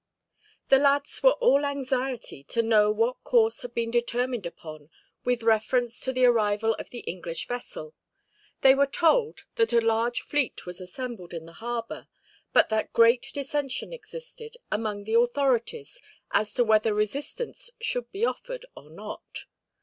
The lads were all anxiety to know what course had been determined upon, with reference to the arrival of the English vessel. They were told that a large fleet was assembled in the harbor, but that great dissension existed, among the authorities, as to whether resistance should be offered or not.